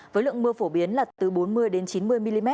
với lượng mưa phổ biến là từ bốn mươi chín mươi mm